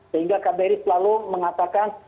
sehingga kbri selalu mengatakan